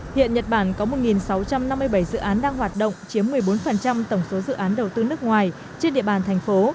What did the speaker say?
hiện nhật bản có một sáu trăm năm mươi bảy dự án đang hoạt động chiếm một mươi bốn tổng số dự án đầu tư nước ngoài trên địa bàn thành phố